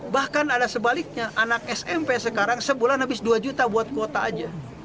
bahkan ada sebaliknya anak smp sekarang sebulan habis dua juta buat kuota aja